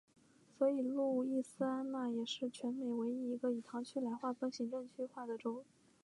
所以路易斯安那也是全美唯一一个以堂区来划分行政区划的州。